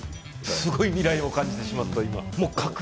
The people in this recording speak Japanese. すごい未来を感じてしまった、今。